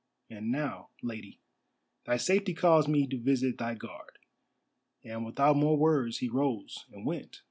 And now, Lady, thy safety calls me to visit thy Guard." And without more words he rose and went.